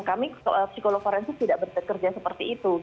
kami psikolog forensik tidak bekerja seperti itu